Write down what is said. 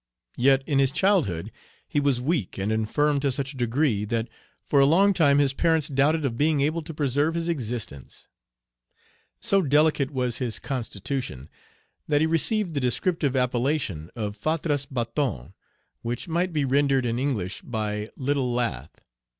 Yet in his childhood he was weak and infirm to such a degree, that for a long time his parents doubted of being able to preserve his existence. Page 38 So delicate was his constitution that he received the descriptive appellation of Fatras Bâton, which might be rendered in English by Little Lath.